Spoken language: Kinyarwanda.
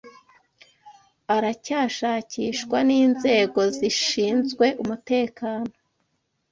aracyashakishwa n’inzego zishinzwe umutekano